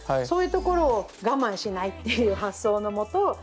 そういうところを我慢しないっていう発想のもと